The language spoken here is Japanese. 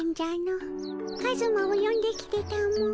カズマをよんできてたも。